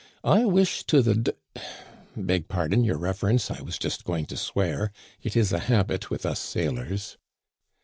I wish to the d — Beg pardon, your reverence, I was just going to swear ; it is a habit with us sailors."